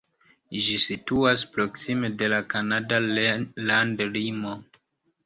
Ĝi situas proksime de la kanada landlimo.